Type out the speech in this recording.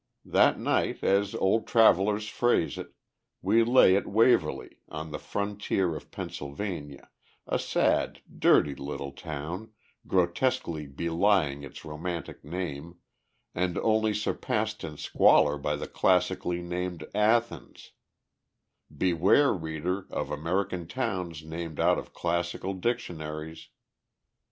That night, as old travellers phrase it, we lay at Waverly, on the frontier of Pennsylvania, a sad, dirty little town, grotesquely belying its romantic name, and only surpassed in squalor by the classically named Athens beware, reader, of American towns named out of classical dictionaries!